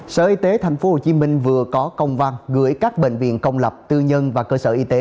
sở y tế tp hcm vừa có công văn gửi các bệnh viện công lập tư nhân và cơ sở y tế